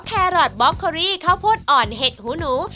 แครอทบ็อกเคอรี่ข้าวโพดอ่อนเห็ดหูหนู